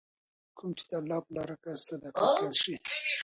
کوم چې د الله په لاره کي صدقه کړل شي .